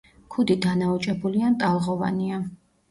ქუდი დანაოჭებული ან ტალღოვანია.